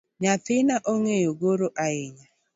Nyathina ongeyo goro ahinya